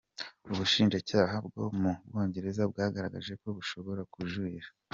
Ubushinjacyaha bwo mu Bwongereza bwagaragaje ko bushobora kujurira.